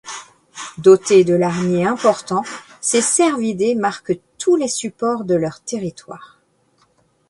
Dotés de larmiers importants, ces cervidés marquent tous les supports de leur territoire.